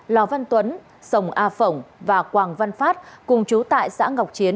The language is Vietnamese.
lò văn tuấn sông a phổng và quảng văn phát cùng chú tại xã ngọc chiến